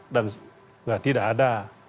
dan tidak ada